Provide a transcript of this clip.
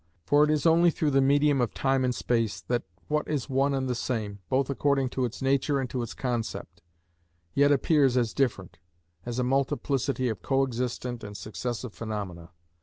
For it is only through the medium of time and space that what is one and the same, both according to its nature and to its concept, yet appears as different, as a multiplicity of co existent and successive phenomena.